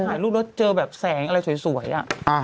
มาหาลูกรถเจอแบบแสงอะไรสวยอะ